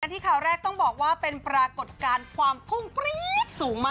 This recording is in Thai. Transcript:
ที่ข่าวแรกต้องบอกว่าเป็นปรากฏการณ์ความพุ่งปรี๊ดสูงมาก